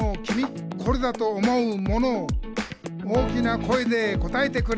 「これだと思うものを大きな声で答えてくれ！」